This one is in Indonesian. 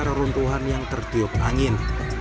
reruntuhan yang tertiup angin